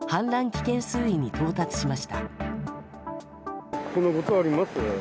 危険水位に到達しました。